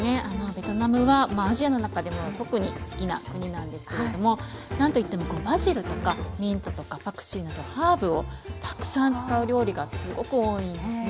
ベトナムはアジアの中でも特に好きな国なんですけれども何といってもバジルとかミントとかパクチーなどハーブをたくさん使う料理がすごく多いんですね。